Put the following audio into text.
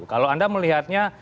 kalau anda melihatnya